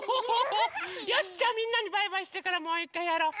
よしじゃあみんなにバイバイしてからもういっかいやろう！